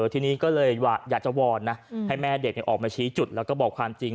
ทีนี้ก็เลยอยากจะวอนนะให้แม่เด็กออกมาชี้จุดแล้วก็บอกความจริง